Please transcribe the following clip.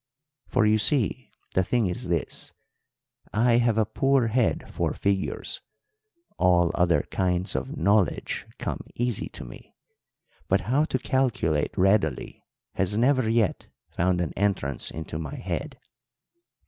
"For you see the thing is this. I have a poor head for figures; all other kinds of knowledge come easy to me, but how to calculate readily has never yet found an entrance into my head.